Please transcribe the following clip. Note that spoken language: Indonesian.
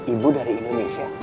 ibu dari indonesia